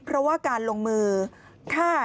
เพราะว่าการลงมือฆ่า